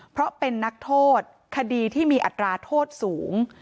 เพราะเป็นนักโทษคดีที่มีอัตราโทษสูง